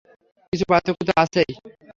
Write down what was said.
কিছু পার্থক্য তো আছেই।